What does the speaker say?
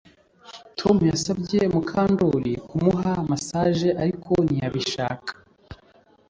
Tom yasabye Mukandoli kumuha massage ariko ntiyabishaka